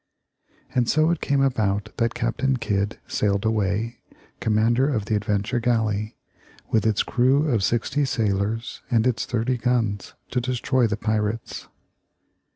And so it came about that Captain Kidd sailed away, commander of the Adventure Galley, with its crew of sixty sailors, and its thirty guns, to destroy the pirates.